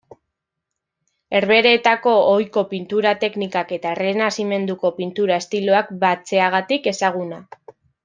Herbehereetako ohiko pintura teknikak eta Errenazimenduko pintura estiloak batzeagatik ezaguna.